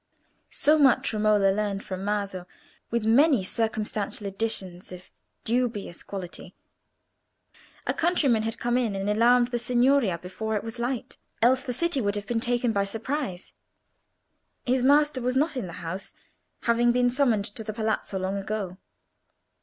So much Romola learned from Maso, with many circumstantial additions of dubious quality. A countryman had come in and alarmed the Signoria before it was light, else the city would have been taken by surprise. His master was not in the house, having been summoned to the Palazzo long ago.